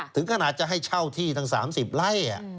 ถึงขนาดจะให้เช่าที่ทั้ง๓๐ไร่